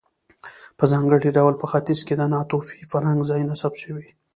په ځانګړي ډول په ختیځ کې د ناتوفي فرهنګ ځایونه ثبت شوي.